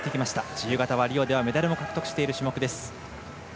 自由形はリオではメダルも獲得している種目です。